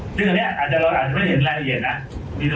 ซึ่งเราอาจจะไม่เห็นเรื่องรายละเอียดนะมีตัวเลขอยู่